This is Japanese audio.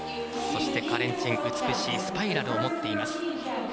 そして、カレン・チェン美しいスパイラルを持っています。